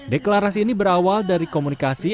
deklarasi ini berawal dari komunikasi